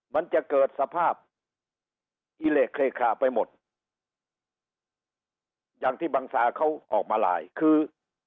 มันจะเกิดสภาพอิเหละเคคาไปหมดอย่างที่บังซาเขาออกมาไลน์คือ